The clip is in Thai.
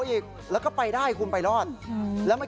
มีรถเก๋งแดงคุณผู้ชมไปดูคลิปกันเองนะฮะ